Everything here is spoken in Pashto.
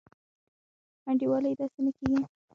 انډيوالي داسي نه کيږي.